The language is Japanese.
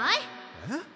えっ？